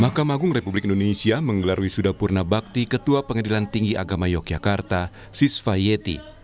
makam agung republik indonesia menggelarui sudapurna bakti ketua pengadilan tinggi agama yogyakarta sisva yeti